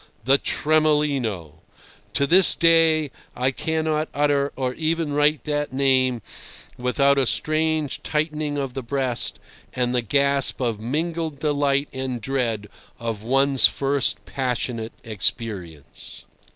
The Tremolino! To this day I cannot utter or even write that name without a strange tightening of the breast and the gasp of mingled delight and dread of one's first passionate experience.